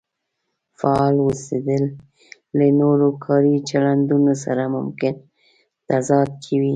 فعال اوسېدل له نورو کاري چلندونو سره ممکن تضاد کې وي.